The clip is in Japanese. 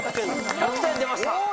１００点、出ました。